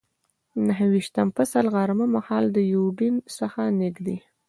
نهه ویشتم فصل، غرمه مهال له یوډین څخه نږدې.